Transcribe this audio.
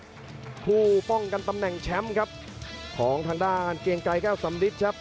อีกครั้งเวลาครับผู้ฟ่องกันตำแหน่งแชมป์ครับของทางด้านเกงไก้เก้าสำดิสครับ